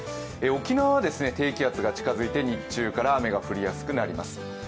沖縄は低気圧が近づいて日中から雨が降りやすくなります。